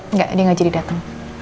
enggak dia gak jadi dateng